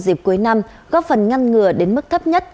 dịp cuối năm góp phần ngăn ngừa đến mức thấp nhất